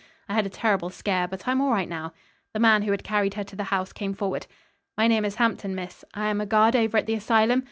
I had a terrible scare, but I'm all right now." The man who had carried her to the house came forward. "My name is Hampton, miss. I am a guard over at the asylum.